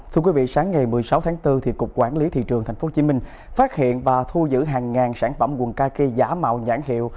thưa quý vị sáng ngày một mươi sáu tháng bốn cục quản lý thị trường tp hcm phát hiện và thu giữ hàng ngàn sản phẩm quần cà phê giả mạo nhãn hiệu